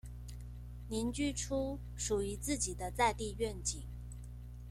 凝聚出屬於自己的在地願景